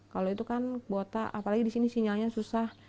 kalau itu kan kuota apalagi di sini sinyalnya susah